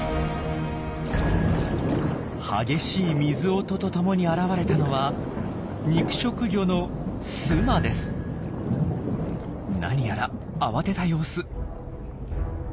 激しい水音と共に現れたのは肉食魚の何やら慌てた様子。